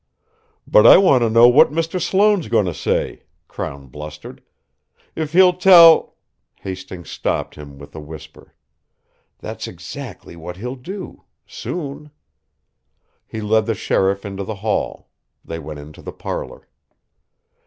"But I want to know what Mr. Sloane's going to say," Crown blustered. "If he'll tell " Hastings stopped him with a whisper: "That's exactly what he'll do soon!" He led the sheriff into the hall. They went into the parlour.